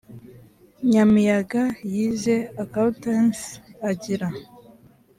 nyamiyaga yize accountancy agira